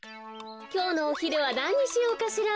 きょうのおひるはなんにしようかしら。